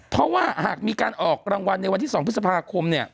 เพราะว่าหากมีการออกรางวัลในวันที่๒พฤษภาคมเนี่ย